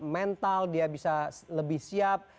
mental dia bisa lebih siap